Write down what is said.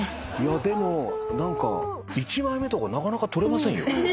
でも１枚目とかなかなか撮れませんよ。